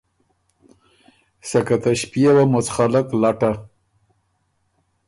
سکه ته ݭپيېوه مُڅخلک لټه۔